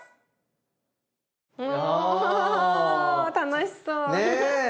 お楽しそう。ね。